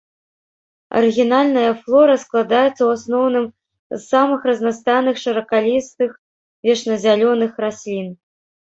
Арыгінальная флора складаецца ў асноўным з самых разнастайных шыракалістых вечназялёных раслін.